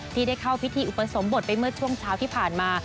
ที่ได้เข้าพิธีอุปสมบทไปเมื่อช่วงเช้าที่ผ่านมา